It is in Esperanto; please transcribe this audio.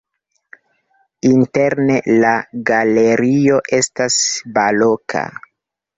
Interne la galerio estas baroka.